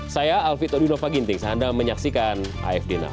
saya alvid odinova ginting seandainya menyaksikan afd now